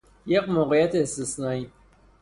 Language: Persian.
یک موقعیت استثنایی